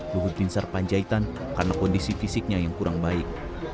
luhut binsar panjaitan karena kondisi fisiknya yang kurang baik